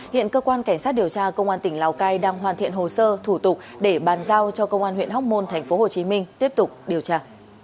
hiện cơ quan cảnh sát điều tra công an tỉnh lào cai đang hoàn thiện hồ sơ thủ tục để bàn giao cho công an huyện hóc môn tp hcm tiếp tục điều tra